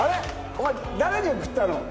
お前誰に送ったの？